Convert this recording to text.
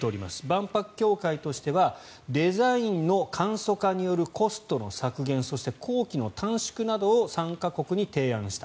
万博協会としてはデザインの簡素化によるコストの削減そして工期の短縮などを参加国に提案した。